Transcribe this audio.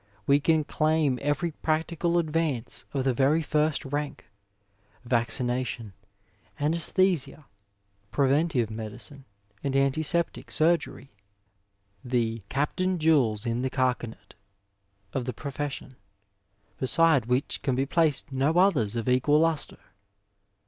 We can claim every practical advance of the very first rank — vaccination, anaesthesia, preventive medicine and antiseptic surgery, the ^'captain jewels in the carcanet" of the pro fession, beside which can be placed no others of equal lustre.